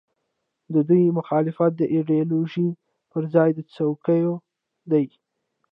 د دوی مخالفت د ایډیالوژۍ پر ځای د څوکیو دی.